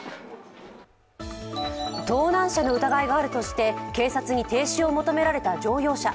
盗難車の疑いがあるとして警察に停止を求められた乗用車。